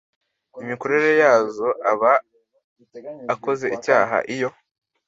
imikorere yazo aba akoze icyaha iyo